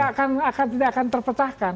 bukan karena ini tidak akan terpecahkan